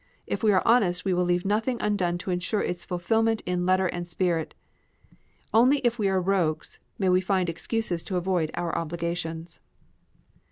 If we are honest we will leave nothing undone to insure its fulfillment in letter and spirit. Only if we are rogues may we find excuses to avoid our obligations."